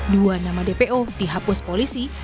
dua nama dpo dihapus polisi